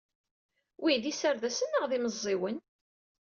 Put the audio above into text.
Wi d iserdasen neɣ d imẓiwen?